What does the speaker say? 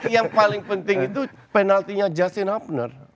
yang paling penting itu penaltinya justin upner